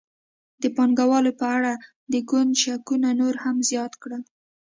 د پانګوالو په اړه د ګوند شکونه نور هم زیات کړل.